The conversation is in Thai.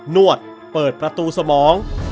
นวดเปิดประตูสมอง